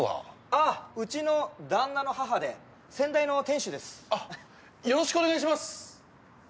あっうちの旦那の母で先代の店主ですあっよろしくお願いします